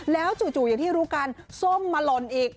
แล้วจู่อย่างที่รู้กันส้มมาหล่นอีก